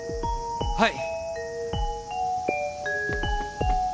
はい。